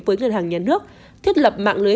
với ngân hàng nhà nước thiết lập mạng lưới